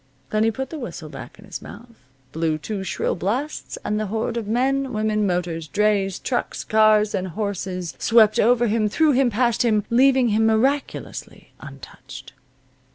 Then he put the whistle back in his mouth, blew two shrill blasts, and the horde of men, women, motors, drays, trucks, cars, and horses swept over him, through him, past him, leaving him miraculously untouched.